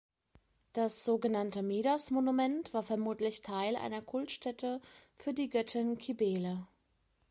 Das sogenannte Midas-Monument war vermutlich Teil einer Kultstätte für die Göttin Kybele.